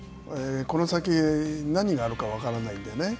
この先、何があるか分からないんでね。